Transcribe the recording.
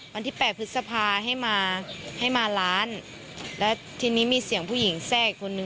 วันที่แปดพฤษภาให้มาให้มาร้านแล้วทีนี้มีเสียงผู้หญิงแทรกอีกคนนึง